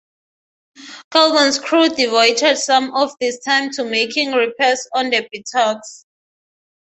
Colburn's crew devoted some of this time to making repairs on the bateaux.